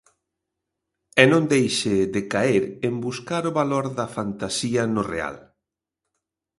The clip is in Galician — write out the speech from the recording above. E non deixe de caer en buscar o valor da fantasía no real.